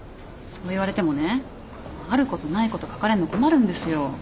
そう言われてもねあることないこと書かれんの困るんですよ。